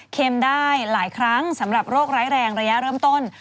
ได้หลายครั้งสำหรับโรคร้ายแรงระยะเริ่มต้น